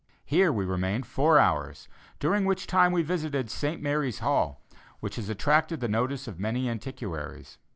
Here we remained four hours, during which time we visited St. Mary's Hall, which has attracted the notice of many antiquaries.